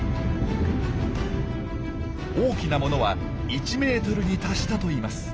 大きなものは１ｍに達したといいます。